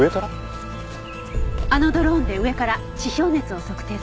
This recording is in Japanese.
あのドローンで上から地表熱を測定する。